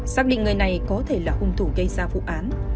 xác định người này có thể là hung thủ gây ra vụ án